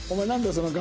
その顔。